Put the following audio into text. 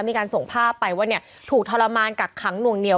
มีการส่งภาพไปว่าเนี่ยถูกทรมานกักขังหน่วงเหนีย